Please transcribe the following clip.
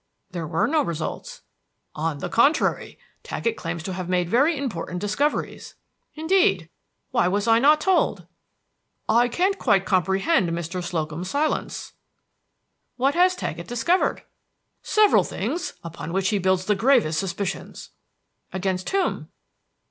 "There were no results." "On the contrary, Taggett claims to have made very important discoveries." "Indeed! Why was I not told!" "I can't quite comprehend Mr. Slocum's silence." "What has Taggett discovered?" "Several things, upon which he builds the gravest suspicions." "Against whom?"